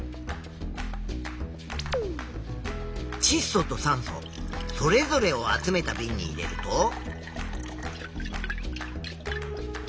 ちっ素と酸素それぞれを集めたびんに入れると。